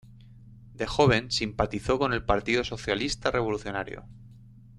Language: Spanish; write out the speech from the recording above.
De joven simpatizó con el Partido Socialista Revolucionario.